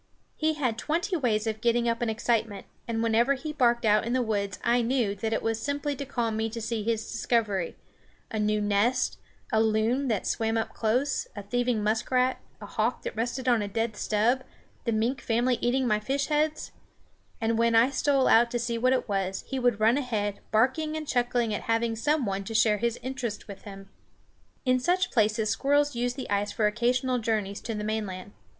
He had twenty ways of getting up an excitement, and whenever he barked out in the woods I knew that it was simply to call me to see his discovery, a new nest, a loon that swam up close, a thieving muskrat, a hawk that rested on a dead stub, the mink family eating my fish heads, and when I stole out to see what it was, he would run ahead, barking and chuckling at having some one to share his interests with him. In such places squirrels use the ice for occasional journeys to the mainland.